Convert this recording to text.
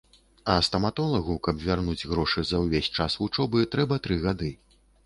А стаматолагу, каб вярнуць грошы за ўвесь час вучобы, трэба тры гады.